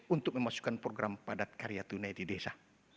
untuk memasukkan program padat karya tunai di desa